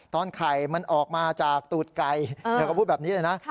ไข่มันออกมาจากตูดไก่เธอก็พูดแบบนี้เลยนะ